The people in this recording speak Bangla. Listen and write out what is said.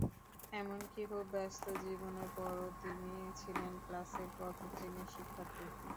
এমনকী খুব ব্যস্ত জীবনের পরেও তিনি ছিলেন ক্লাসের প্রথম শ্রেণির শিক্ষার্থী।